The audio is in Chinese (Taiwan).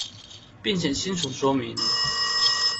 並且清楚說明